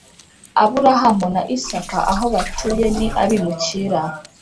aburahamu na isaka aho batuye ni abimukira